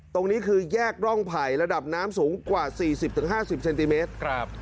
ตรงนี้คือยากร่องไผล่ระดับน้ำสูงกว่าสี่สิบถึงห้าสิบเซนติเมตรครับ